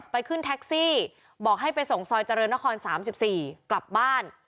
ขึ้นแท็กซี่บอกให้ไปส่งซอยเจริญนคร๓๔กลับบ้าน